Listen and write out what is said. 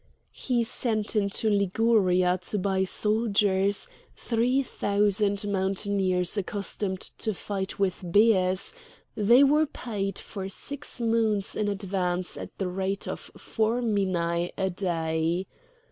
He sent into Liguria to buy soldiers, three thousand mountaineers accustomed to fight with bears; they were paid for six moons in advance at the rate of four minæ a day.